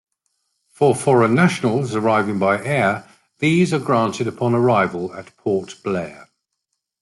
For foreign nationals arriving by air, these are granted upon arrival at Port Blair.